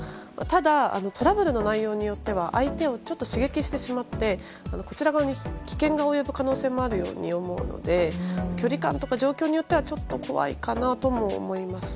ただトラブルの内容によっては相手をちょっと刺激してしまってこちら側に危険が及ぶ可能性もあるように思うので距離感とか状況によっては怖いかなと思います。